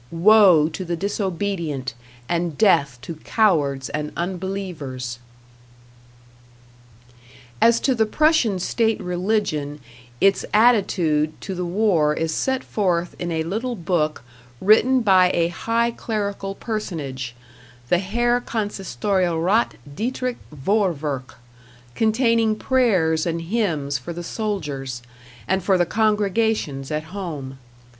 Woe to the disobedient and death to cowards and unbelievers. As to the Prussian state religion, its attitude to the war is set forth in a little book written by a high clerical personage, the Herr Consistorialrat Dietrich Vorwerk, containing prayers and hymns for the soldiers, and for the congregations at home.